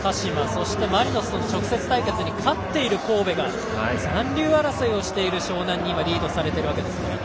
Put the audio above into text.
そして、マリノスとの直接対決に勝っている神戸が残留争いをしている湘南にリードされているわけですからね。